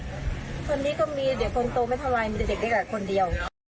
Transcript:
คนนี้ก็มีเด็กคนโตไม่เท่าไรมีแต่เด็กเล็กคนเดียว